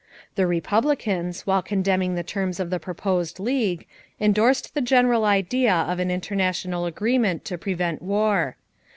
The Republicans, while condemning the terms of the proposed League, endorsed the general idea of an international agreement to prevent war.